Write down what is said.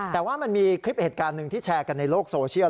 แต่ว่ามันมีคลิปเหตุการณ์หนึ่งที่แชร์กันในโลกโซเชียล